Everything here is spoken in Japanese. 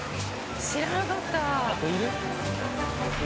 知らなかった。